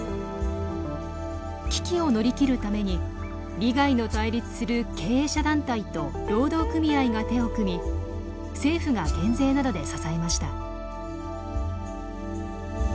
危機を乗り切るために利害の対立する経営者団体と労働組合が手を組み政府が減税などで支えました。